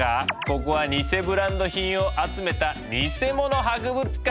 ここは偽ブランド品を集めた偽物博物館だ。